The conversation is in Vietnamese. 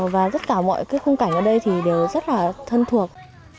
và tất cả mọi cái khung cảnh ở đây thì đều rất là thân thuộc